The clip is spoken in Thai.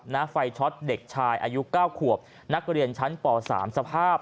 ไฟช็อตเด็กชายอายุเก้าขวบนักเรียนชั้นป๓สภาพ